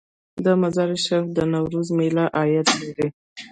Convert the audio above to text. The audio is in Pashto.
د مزار شریف د نوروز میله عاید لري؟